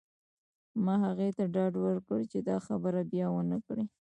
ما هغې ته ډاډ ورکړ چې دا خبره بیا ونه کړې